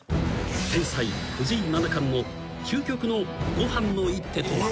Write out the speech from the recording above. ［天才藤井七冠の究極のごはんの一手とは］